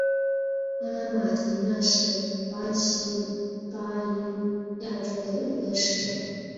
阿马迪纳是巴西巴伊亚州的一个市镇。